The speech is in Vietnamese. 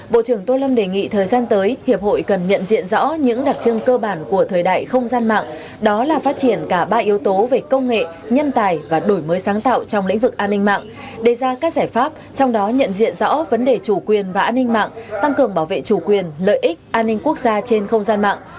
bộ trưởng tô lâm đề nghị thời gian tới hiệp hội cần nhận diện rõ những đặc trưng cơ bản của thời đại không gian mạng đó là phát triển cả ba yếu tố về công nghệ nhân tài và đổi mới sáng tạo trong lĩnh vực an ninh mạng đề ra các giải pháp trong đó nhận diện rõ vấn đề chủ quyền và an ninh mạng tăng cường bảo vệ chủ quyền lợi ích an ninh quốc gia trên không gian mạng